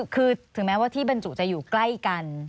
คือถึงแม้ว่าที่บรรจุจะอยู่ใกล้กัน